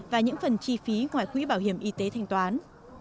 và những phần chi phí ngoài quỹ bảo hiểm y tế thanh toán